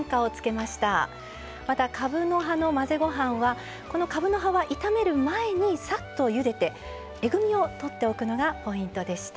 またかぶの葉の混ぜごはんはかぶの葉は炒める前にさっと、ゆでてえぐみをとっておくのがポイントでした。